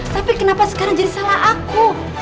tapi kenapa sekarang jadi salah aku